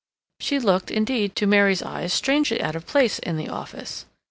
She looked, indeed, to Mary's eyes strangely out of place in the office.